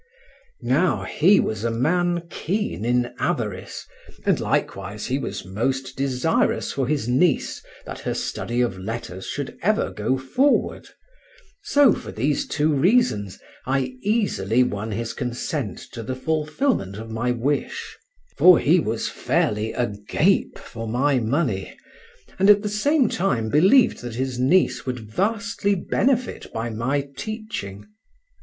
Now, he was a man keen in avarice, and likewise he was most desirous for his niece that her study of letters should ever go forward, so, for these two reasons, I easily won his consent to the fulfillment of my wish, for he was fairly agape for my money, and at the same time believed that his niece would vastly benefit by my teaching.